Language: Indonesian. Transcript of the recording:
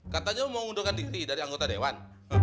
katanya mau ngundurin diri dari anggota dewan